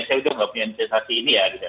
saya sudah tidak punya investasi ini ya gitu ya